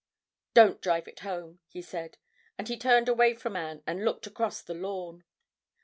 "Don't drive it home," he said, and he turned away from Anne and looked across the lawn.